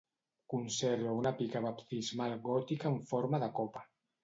Conserva una pica baptismal gòtica en forma de copa.